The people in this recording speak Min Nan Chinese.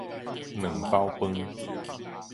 卵包飯